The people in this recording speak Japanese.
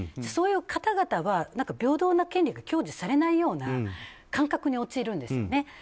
そういう方々は平等な権利が享受されないような感覚に陥るんですね。